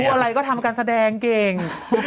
อะไรก็ทำการแสดงเก่ง